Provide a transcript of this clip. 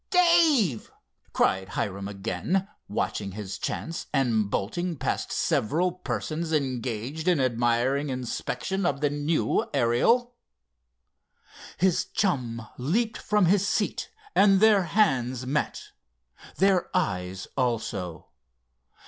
"Dave!" cried Hiram again, watching his chance, and bolting past several persons engaged in admiring inspection of the new Ariel. His chum leaped from his seat and their hands met. Their eyes also.